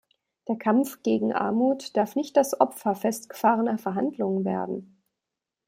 Der Kampf gegen Armut darf nicht das Opfer festgefahrener Verhandlungen werden.